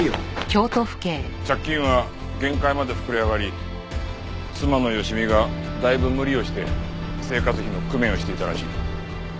借金は限界まで膨れ上がり妻の佳美がだいぶ無理をして生活費の工面をしていたらしい。